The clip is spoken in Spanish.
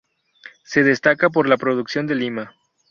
Se destaca por la producción de Lima